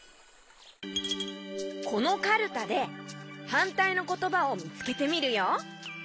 このカルタではんたいのことばをみつけてみるよ。